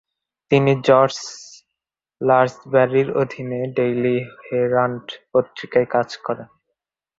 তিনি জর্জ ল্যান্সবারির অধীনে ডেইলি হেরাল্ড পত্রিকায় কাজ করেন।